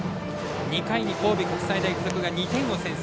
２回に神戸国際大付属が２点を先制。